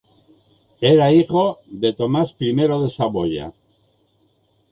Era hijo de Tomás I de Saboya.